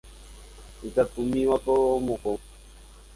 Ikatumívako amokõ.